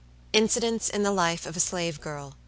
] Incidents in the Life of a Slave Girl.